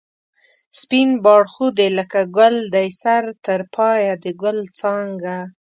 سپین باړخو دی لکه گل دی سر تر پایه د گل څانگه